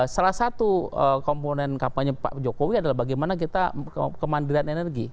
salah satu komponen kampanye pak jokowi adalah bagaimana kita kemandirian energi